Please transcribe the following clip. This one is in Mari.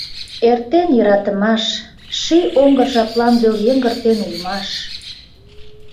Эртен йӧратымаш — ший оҥгыр Жаплан вел йыҥгыртен улмаш.